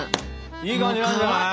いい感じなんじゃない？